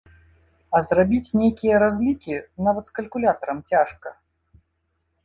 А зрабіць нейкія разлікі нават з калькулятарам цяжка.